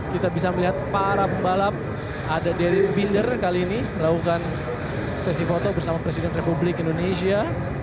kita bisa melihat para pembalap ada dery binder kali ini melakukan sesi foto bersama presiden republik indonesia